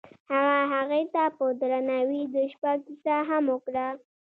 هغه هغې ته په درناوي د شپه کیسه هم وکړه.